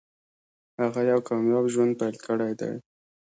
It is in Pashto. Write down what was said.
هغه یو کامیاب ژوند پیل کړی دی